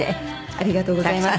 ありがとうございます。